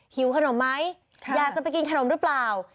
หิวขนมไหมอยากจะไปกินขนมหรือเปล่า